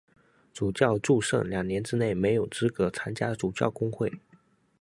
主教祝圣两年之内没有资格参加主教公会。